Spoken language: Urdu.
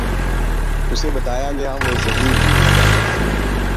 اُسے بتایا گیا وُہ ذہین ہونے لگا